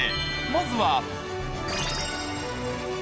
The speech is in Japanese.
まずは。